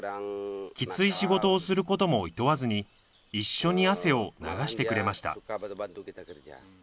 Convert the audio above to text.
きつい仕事をすることもいとわずに、一緒に汗を流してくれました。